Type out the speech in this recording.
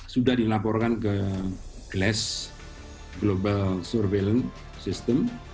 sudah dilaporkan ke glass global surveillance system